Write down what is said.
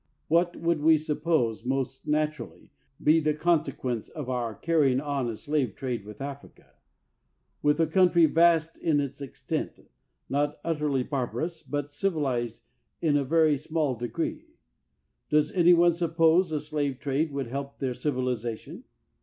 What should we suppose must naturally be the consequence of our carrying on a slave trade with Africa? With a country vast in its extent, not utterly barbarous, but civilized in a very small degree? Does any one suppose a slave trade would help their civilization?